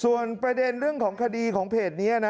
ส่วนประเด็นเรื่องของคดีของเพจนี้นะ